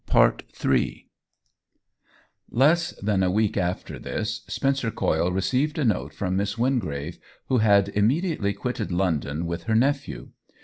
Ill Less than a week after this Spencer Coyle received a note from Miss Wingrave, who had immediately quitted London with her nephew.